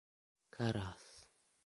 Karas.